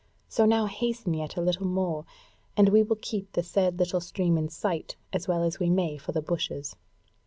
So now hasten yet a little more; and we will keep the said little stream in sight as well as we may for the bushes."